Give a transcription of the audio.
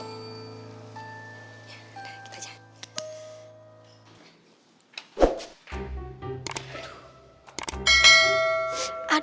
ya udah kita jalan